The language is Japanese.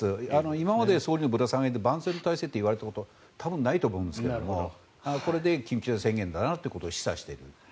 今まで、総理のぶら下がりで万全の体制と言われたことは多分、ないと思うんですけどもこれで緊急事態宣言だなということを示唆している。